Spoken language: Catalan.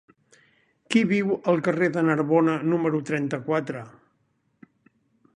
Qui viu al carrer de Narbona número trenta-quatre?